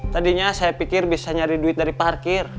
tadinya saya pikir bisa nyari duit dari parkir